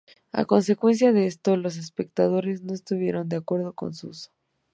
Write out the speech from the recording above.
A consecuencia de esto, los espectadores no estuvieron de acuerdo con su uso.